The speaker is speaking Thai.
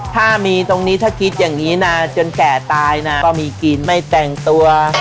ถ้ามีตรงนี้ถ้าคิดอย่างนี้นะจนแก่ตายนะก็มีกินไม่แต่งตัว